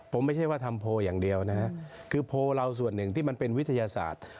ผมไม่ใช่ว่าทำโพลอย่างเดียวนะฮะคือโพลเราส่วนหนึ่งที่มันเป็นวิทยาศาสตร์